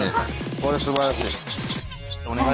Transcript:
これすばらしい。